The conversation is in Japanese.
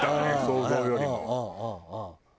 想像よりも。